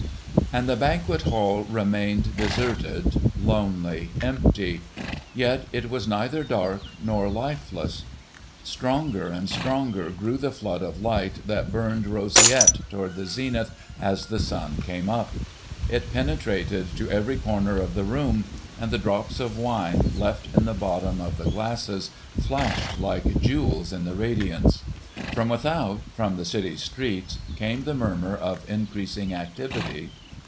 And the Banquet Hall remained deserted, lonely, empty, yet it was neither dark nor lifeless. Stronger and stronger grew the flood of light that burned roseate toward the zenith as the sun came up. It penetrated to every corner of the room, and the drops of wine left in the bottom of the glasses flashed like jewels in the radiance. From without, from the city's streets, came the murmur of increasing activity.